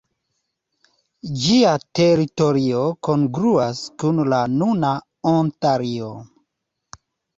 Ĝia teritorio kongruas kun la nuna Ontario.